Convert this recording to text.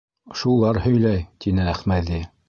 Шулар һөйләй, — тине Әхмәҙи.